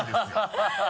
ハハハ